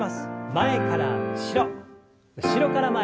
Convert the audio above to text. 前から後ろ後ろから前に。